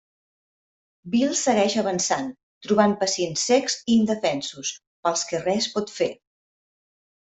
Bill segueix avançant, trobant pacients cecs i indefensos, pels que res pot fer.